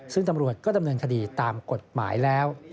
ซึ่งตำรวจก็ดำเนินคดีตามกฎหมายแล้ว